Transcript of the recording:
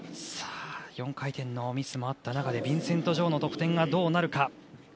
４回転もミスがあった中でビンセント・ジョウの得点がどうなるか。